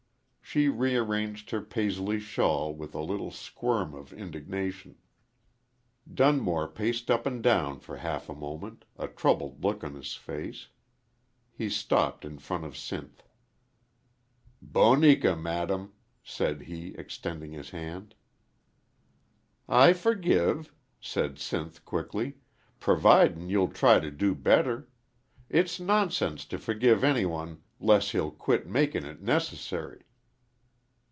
She rearranged her Paisley shawl with a little squirm of indignation. Dunmore paced up and down for half a moment, a troubled look on his face. He stopped in front of Sinth. "Boneka, madam," said he, extending his hand. "I forgive," said Sinth, quickly, "providin' you'll try to do better. It's nonsense to forgive any one 'less he'll quit makin' it nec'sary."